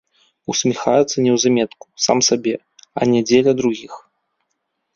Усміхаецца неўзаметку, сам сабе, а не дзеля другіх.